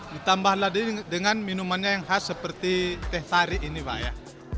kita bisa makan ditambahlah dengan minuman yang khas seperti teh tarik ini pak ya